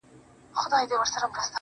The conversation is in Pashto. په ميکده کي د چا ورا ده او شپه هم يخه ده